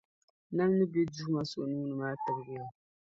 Nam ni be Duuma so nuu ni maa tibigi ya